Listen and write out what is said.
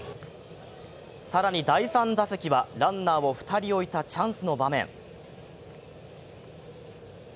更に第３打席はランナーを２人置いたチャンスの場面。